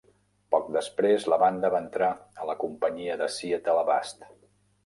Poc després, la banda va entrar a la companyia de Seattle Avast!